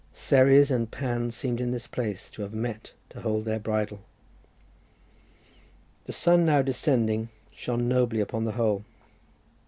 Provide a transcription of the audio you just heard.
Ceres and Pan seemed in this place to have met to hold their bridal. The sun now descending shone nobly upon the whole.